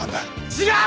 違う！